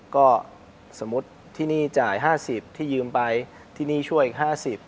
ก็สมมุติที่นี่จ่าย๕๐ที่ยืมไปที่นี่ช่วยอีก๕๐